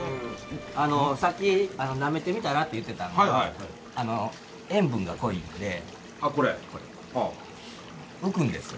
さっき「なめてみたら」って言ってたのは塩分が濃いんで浮くんですよ。